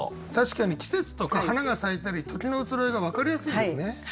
確かに季節とか花が咲いたり時の移ろいが分かりやすいですね。